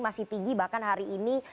masih tinggi bahkan hari ini